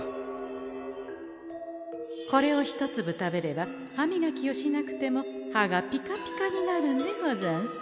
これを一つぶ食べれば歯みがきをしなくても歯がぴかぴかになるんでござんす。